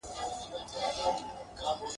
د اوبو ځایونه بيرته ونیول سول.